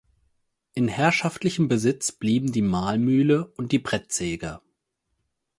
In herrschaftlichem Besitz blieben die Mahlmühle und die Brettsäge.